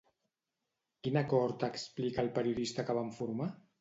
Quin acord explica el periodista que van formar?